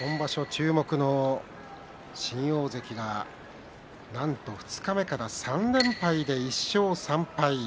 注目の新大関は何と二日目から３連敗で１勝３敗。